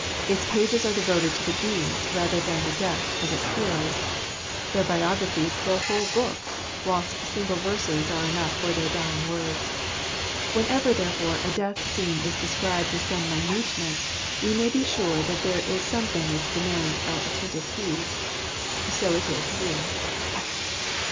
Its pages are devoted to the deeds rather than the deaths of its heroes. Their biographies fill whole books, whilst single verses are enough for their dying words. Whenever, therefore, a death scene is described with some minuteness, we may be sure that there is some thing which demands our attentive heed. So it is here.